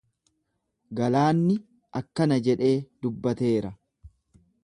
Galaanni akkana jedhee dubbateera.